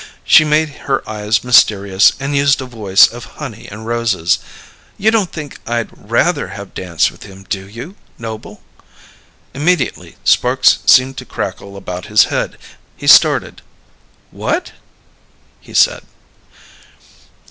She made her eyes mysterious and used a voice of honey and roses. "You don't think I'd rather have danced with him, do you, Noble?" Immediately sparks seemed to crackle about his head. He started. "What?" he said.